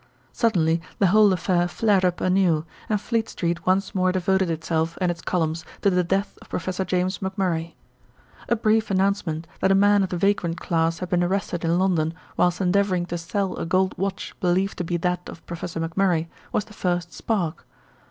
Suddenly the whole affair flared up anew, and Fleet Street once more devoted itself and its columns to the death of Professor James McMurray. A brief announcement that a man of the vagrant class had been arrested in London whilst endeavouring to sell a gold watch believed to be that of Professor McMurray, was the first spark.